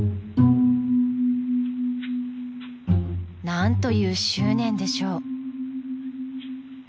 ［何という執念でしょう］